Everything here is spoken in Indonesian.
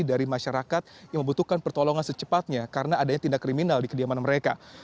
dari masyarakat yang membutuhkan pertolongan secepatnya karena adanya tindak kriminal di kediaman mereka